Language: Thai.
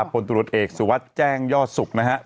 ผลตรวจเอกสุวัสดิ์แจ้งยอดสุขนะครับ